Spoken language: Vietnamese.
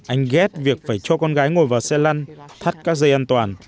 anh ghét việc phải cho con gái ngồi vào xe lăn thắt các dây an toàn